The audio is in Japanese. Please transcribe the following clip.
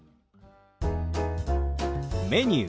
「メニュー」。